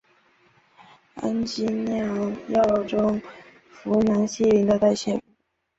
氨基脲药物中呋喃西林的代谢物。